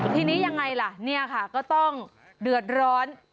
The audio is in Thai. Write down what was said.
ทีนี้ยังไงล่ะเนี่ยค่ะก็ต้องเดือดร้อน